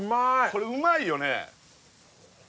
これうまいよね？